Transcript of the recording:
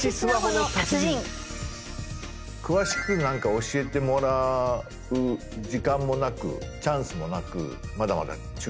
詳しくなんか教えてもらう時間もなくチャンスもなくまだまだ中途半端な。